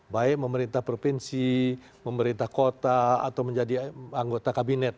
baik memerintah provinsi memerintah kota atau menjadi anggota kabinet